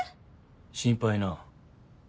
心配なぁ。